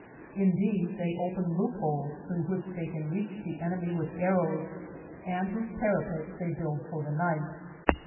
In 119 THE JOURNEY OF these they open loopholes through which they can reach the enemy with arrows, and those parapets they build for the night.